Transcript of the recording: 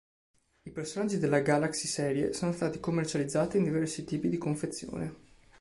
I personaggi della Galaxy Serie sono stati commercializzati in diversi tipi di confezione.